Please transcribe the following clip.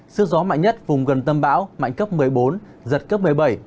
sức gió mạnh nhất vùng gần tâm bão mạnh cấp một mươi bốn giật cấp một mươi bảy